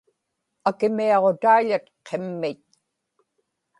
akimiaġutaiḷat qimmit